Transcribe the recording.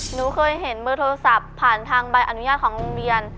หนูเคยเห็นเบอร์โทรศัพท์ผ่านทางใบอนุญาตของโรงเรียน